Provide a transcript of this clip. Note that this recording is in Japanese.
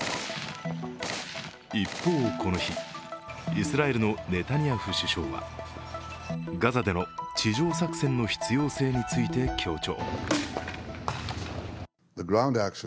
一方、この日、イスラエルのネタニヤフ首相はガザでの地上作戦の必要性について強調。